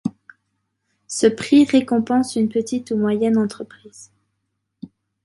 Ce prix récompense une petite ou moyenne entreprise.